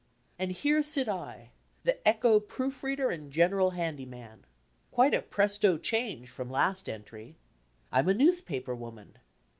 And here sit I the Echo proof reader and general handy man. Quite a 'presto change' from last entry! I'm a newspaper woman!